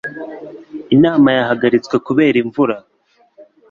Inama yahagaritswe kubera imvura.